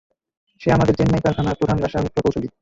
সে আমাদের চেন্নাই কারখানার প্রধান রাসায়নিক প্রকৌশলী।